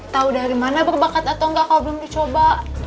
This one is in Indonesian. tau dari mana berbakat atau nggak kalau belum dicoba